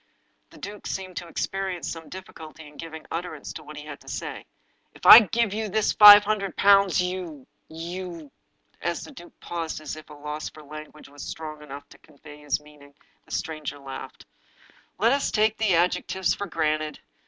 The duke seemed to experience some difficulty in giving utterance to what he had to say. " If I give you this five hundred pounds, you — ^you " As the duke paused, as if at a loss for language which was strong enough to convey his meaning, the stranger laughed. " Let us take the adjectives for granted.